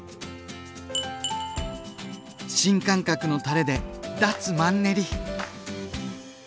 新感覚のたれで脱マンネリ！